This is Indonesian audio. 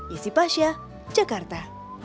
yesi pasha jakarta